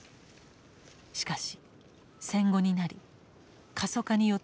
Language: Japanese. しかし戦後になり過疎化によって住職が転出。